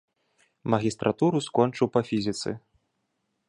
Магістратуру скончыў па фізіцы.